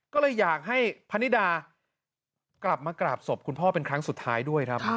ก็เลยอยากให้พนิดากลับมากราบศพคุณพ่อเป็นครั้งสุดท้ายด้วยครับ